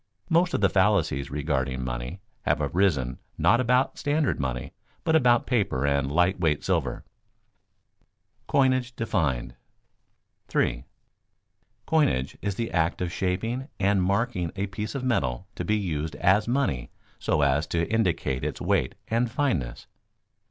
Most of the fallacies regarding money have arisen not about standard money, but about paper and light weight silver. [Sidenote: Coinage defined] 3. _Coinage is the act of shaping and marking a piece of metal to be used as money so as to indicate its weight and fineness.